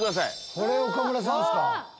これ岡村さんっすか！